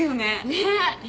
ねっ！